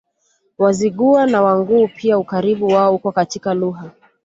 Wazigua na Wanguu pia Ukaribu wao uko katika lugha